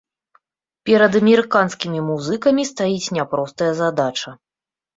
Перад амерыканскімі музыкамі стаіць няпростая задача.